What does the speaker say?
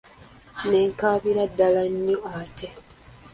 Ne nkaabira ddala nnyo ate.